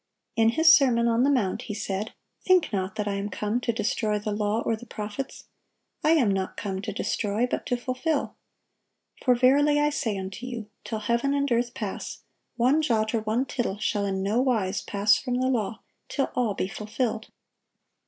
In His sermon on the mount He said: "Think not that I am come to destroy the law, or the prophets: I am not come to destroy, but to fulfil. For verily I say unto you, Till heaven and earth pass, one jot or one tittle shall in no wise pass from the law, till all be fulfilled.